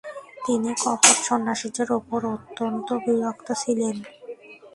তিনি কপট সন্ন্যাসীদের উপর অত্যন্ত বিরক্ত ছিলেন।